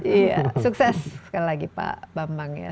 iya sukses sekali lagi pak bambang ya